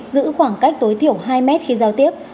giữ khoảng cách tối thiểu hai mét khi giao tiếp